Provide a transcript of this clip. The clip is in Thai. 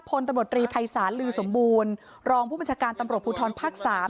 ผลตำรวจหรี่ภัยศาสน์หลือสมบูรณ์รองผู้บริจาการตำรวจพูทรภาคสาม